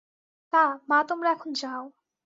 তা, মা তোমরা এখন যাও।